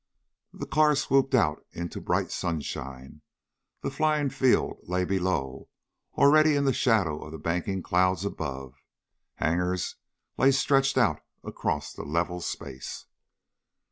The car swooped out into bright sunshine. The flying field lay below, already in the shadow of the banking clouds above. Hangars lay stretched out across the level space.